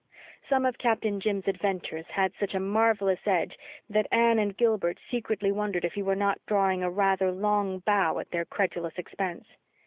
Some of Captain Jim's adventures had such a marvellous edge that Anne and Gilbert secretly wondered if he were not drawing a rather long bow at their credulous expense.